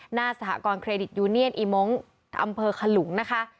หน้าสหกรณเครดิตยูเนียนอีมงค์อำเภอขลุงนะคะ